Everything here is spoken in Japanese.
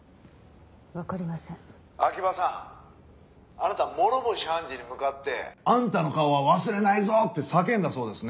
あなた諸星判事に向かって」あんたの顔は忘れないぞ！って叫んだそうですね